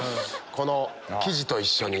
この生地と一緒に。